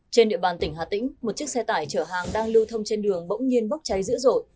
trên địa bàn tỉnh hà tĩnh một chiếc xe tải chở hàng đang lưu thông trên đường bỗng nhiên bốc cháy dữ dội